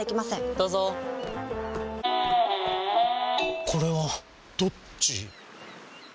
どうぞこれはどっち？